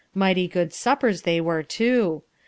Mighty good suppers they were too!